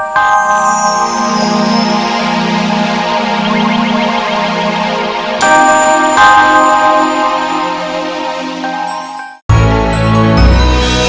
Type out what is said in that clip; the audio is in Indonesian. sampai jumpa lagi